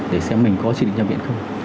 để xem mình có trị định cho viện không